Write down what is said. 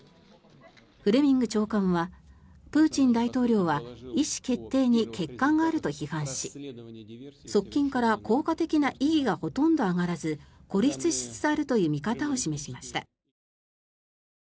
フレミング長官はプーチン大統領は意思決定に欠陥があると批判し側近から効果的な異議がほとんど上がらず孤立しつつあるという見方を示しました。